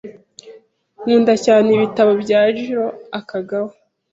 Nkunda cyane ibitabo bya Jiro Akagawa.